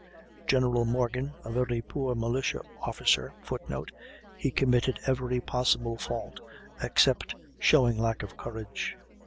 General Morgan, a very poor militia officer, [Footnote: He committed every possible fault, except showing lack of courage.